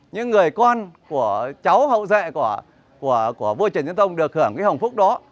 những người con của cháu hậu dạy của vua trần nhân tông được hưởng cái hồng phúc đó